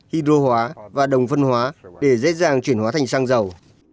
hydro hóa và đồng phân hóa để dễ dàng chuyển hóa thành xăng dầu